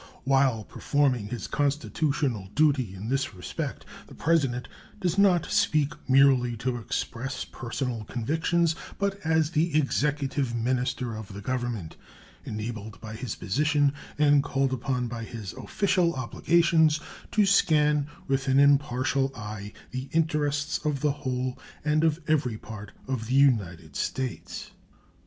While performing his constitutional duty in this respect, the President does not speak merely to express personal convictions, but as the executive minister of the Government, enabled by his position and called upon by his official obligations to scan with an impartial eye the interests of the whole and of every part of the United States.